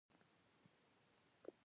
د کولرا د نارغۍ عامل یو ډول ویبریون دی.